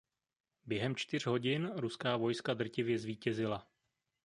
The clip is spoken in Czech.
Během čtyř hodin ruská vojska drtivě zvítězila.